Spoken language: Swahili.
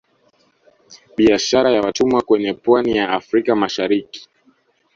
Biashara ya watumwa kwenye pwani ya Afrika ya Mashariki